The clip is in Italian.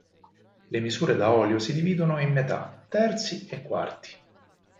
Le misure da olio si dividono in metà, terzi e quarti.